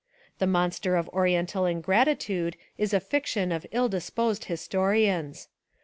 The monster of oriental ingratitude is a fiction of ill disposed historians.